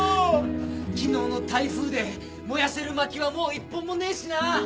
昨日の台風で燃やせる薪はもう一本もねえしな。